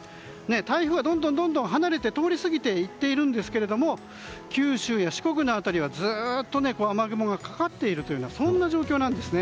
台風はどんどん離れて通り過ぎて行っているんですけども九州や四国の辺りはずっと雨雲がかかっているというそんな状況なんですね。